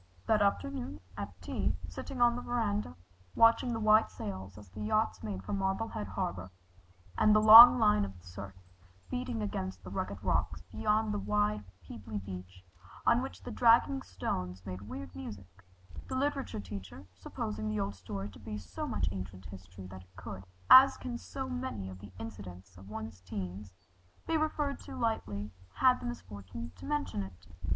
That afternoon at tea, sitting on the verandah, watching the white sails as the yachts made for Marblehead harbor, and the long line of surf beating against the rugged rocks beyond the wide pebbly beach on which the dragging stones made weird music, the literature teacher, supposing the old story to be so much ancient history that it could, as can so many of the incidents of one's teens, be referred to lightly, had the misfortune to mention it.